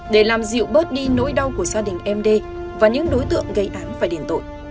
để làm dịu bớt đi nỗi đau của gia đình em đê và những đối tượng gây án phải điển tội